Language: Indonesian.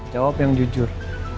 jawab yang jujur